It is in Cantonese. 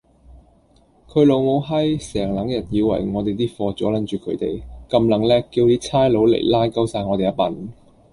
佢老母閪，成撚日以為我哋啲貨阻撚住佢地，咁撚叻，叫啲差佬嚟拉鳩哂我哋呀笨